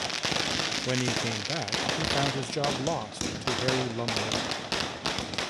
When he came back he found his job lost to Harry Lumley.